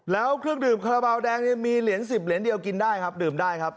แล้วเครื่องดื่มคาราบาลแดงเนี่ยมีเหรียญ๑๐เหรียญเดียวกินได้ครับดื่มได้ครับ